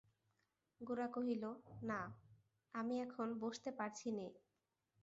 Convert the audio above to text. গোরা কহিল, না, আমি এখন বসতে পারছি নে।